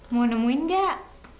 mau nemuin gak